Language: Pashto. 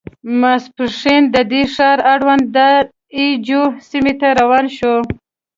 ماسپښین د دې ښار اړوند د اي جو سیمې ته روان شوو.